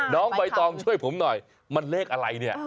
น้องใบตองช่วยผมหน่อยมันเลขอะไรเนี่ย